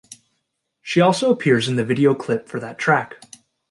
She also appears in the video clip for that track.